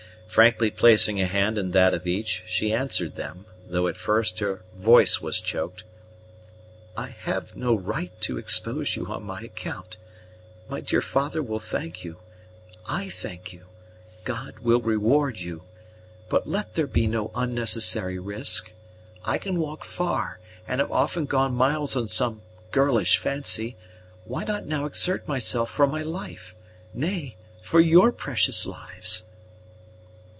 Frankly placing a hand in that of each, she answered them, though at first her voice was choked, "I have no right to expose you on my account. My dear father will thank you, I thank you, God will reward you; but let there be no unnecessary risk. I can walk far, and have often gone miles on some girlish fancy; why not now exert myself for my life? nay, for your precious lives?"